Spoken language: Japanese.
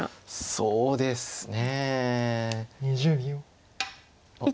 そうですね。